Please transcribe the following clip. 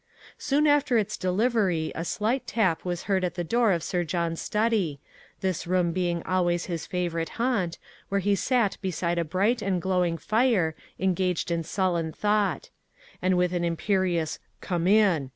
Soon after its delivery a slight tap was heard at the door of Sir John's study, this room being always his favourite haunt, where he sat beside a bright and glowing fire, engaged in sullen thought; and with an imperious "Come in!"